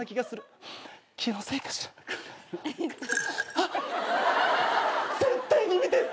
あっ絶対に見てる。